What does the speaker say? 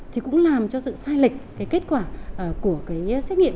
thì cũng làm cho sự sai lệch kết quả của xét nghiệm